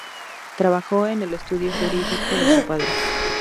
Trabajó en el estudio jurídico de su padre.